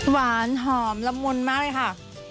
หวานหอมละมุนมากเลยค่ะ